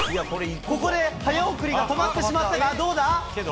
ここで早送りが止まってしまったか、どうだ？